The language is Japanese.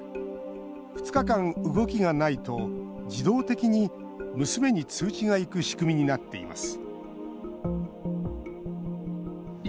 ２日間、動きがないと自動的に娘に通知がいく仕組みになっています